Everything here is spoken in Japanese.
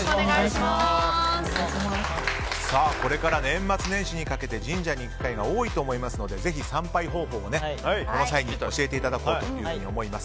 これから年末年始にかけて神社に行く機会が多いと思いますのでぜひ、参拝方法をこの際に教えていただこうと思います。